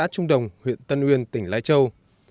trong huyện tân uyên tỉnh lai châu